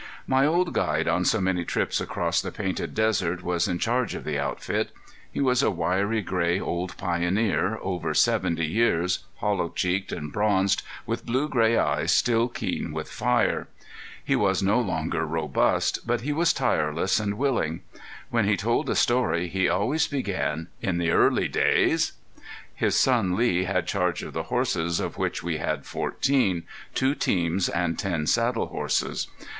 My old guide on so many trips across the Painted Desert was in charge of the outfit. He was a wiry, gray, old pioneer, over seventy years, hollow cheeked and bronzed, with blue gray eyes still keen with fire. He was no longer robust, but he was tireless and willing. When he told a story he always began: "In the early days " His son Lee had charge of the horses of which we had fourteen, two teams and ten saddle horses.